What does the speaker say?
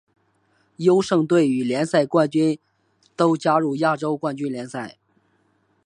优胜队与联赛冠军都加入亚洲冠军联赛。